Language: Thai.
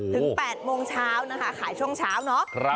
๘โมงเช้านะคะขายช่วงเช้าเนาะ